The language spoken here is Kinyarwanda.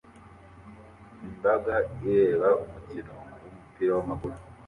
Imbaga ireba umukino wumupira wamaguru